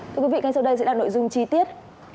thưa quý vị ngay sau đây sẽ là nội dung chi tiết